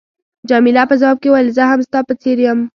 جميله په ځواب کې وویل، زه هم ستا په څېر یم.